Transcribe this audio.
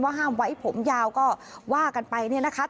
ว่าห้ามไว้ผมยาวก็ว่ากันไปนะคะ